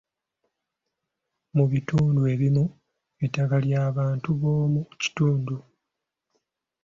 Mu bitundu ebimu, ettaka lya bantu b'omu kitundu.